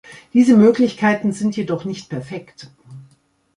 Diese Möglichkeiten sind jedoch nicht perfekt.